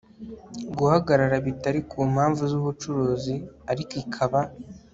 guhagarara bitari ku mpamvu z ubucuruzi ariko ikaba